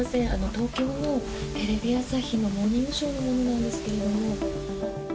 東京のテレビ朝日の「モーニングショー」の者なんですが。